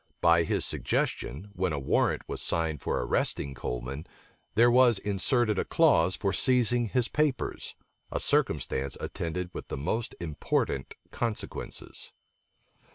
By his suggestion, when a warrant was signed for arresting Coleman, there was inserted a clause for seizing his papers; a circumstance attended with the most important consequences.